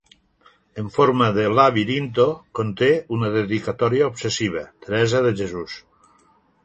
"En forma de labirinto" conté una dedicatòria obsessiva: "Teresa de Jesús".